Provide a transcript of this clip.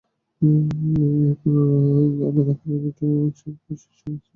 এরপর নানা সময়ে আলাদা করে দুটিতে, কখনো একসঙ্গেই শীর্ষে ছিলেন দুটিতে।